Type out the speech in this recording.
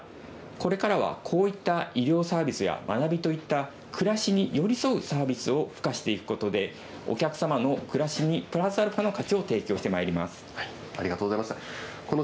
これからはこういった医療サービスや学びといった、暮らしに寄り添うサービスを付加していくことで、お客様の暮らしにプラスアルファーの価値を提供してまいりまありがとうございました。